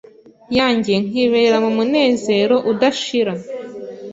yanjye nkibera mu munezero udashira,